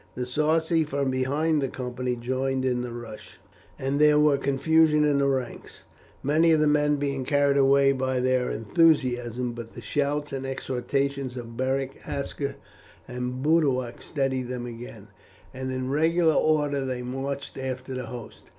The Sarci from behind the company joined in the rush, and there was confusion in the ranks, many of the men being carried away by the enthusiasm; but the shouts and exhortations of Beric, Aska, and Boduoc steadied them again, and in regular order they marched after the host.